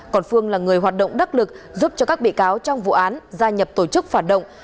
còn phương là người hoạt động đắc lực giúp cho các bị cáo trong vụ án gia nhập tổ chức phản động